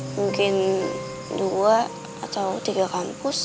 mungkin dua atau tiga kampus